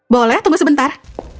boleh tunggu sebentar